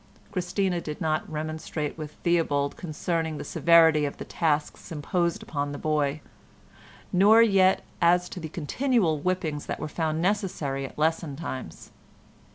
Christina did not remonstrate with Theobald concerning the severity of the tasks imposed upon their boy, nor yet as to the continual whippings that were found necessary at lesson times.